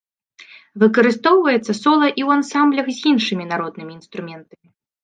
Выкарыстоўваецца сола і ў ансамблях з іншымі народнымі інструментамі.